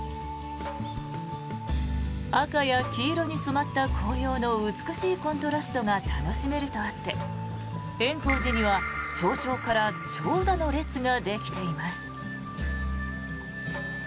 赤や黄色に染まった紅葉の美しいコントラストが楽しめるとあって圓光寺には早朝から長蛇の列ができています。